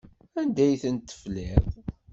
Anda ay ten-tefliḍ?